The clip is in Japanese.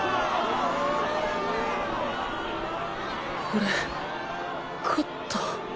俺勝った？